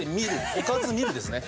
おかず見るですね。